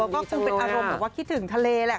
ก็คือเป็นอารมณ์เหมือนว่าคิดถึงทะเลแหละ